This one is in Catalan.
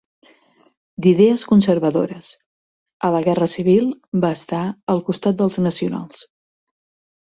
D'idees conservadores, a la Guerra Civil va estar al costat dels nacionals.